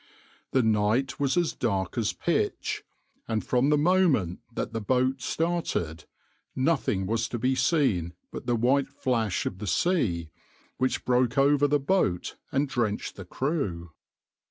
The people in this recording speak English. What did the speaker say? The night was as dark as pitch, and from the moment that the boat started, nothing was to be seen but the white flash of the sea, which broke over the boat and drenched the crew.